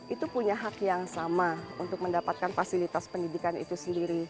itu punya hak yang sama untuk mendapatkan fasilitas pendidikan itu sendiri